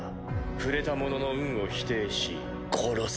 触れた者の運を否定し殺す。